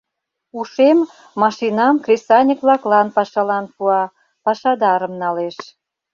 Ушем машинам кресаньык-влаклан пашалан пуа, пашадарым налеш.